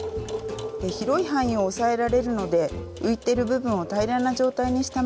広い範囲を押さえられるので浮いてる部分を平らな状態にしたまま縫うことができます。